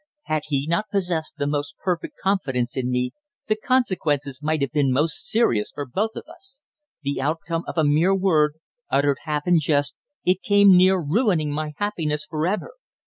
Had he not possessed the most perfect confidence in me, the consequences might have been most serious for both of us. The outcome of a mere word, uttered half in jest, it came near ruining my happiness for ever.